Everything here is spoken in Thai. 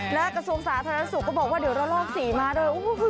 แล้วกระทรวงสาธารณสุขก็บอกว่าเดี๋ยวเราลองศรีมาด้วยโอ้โห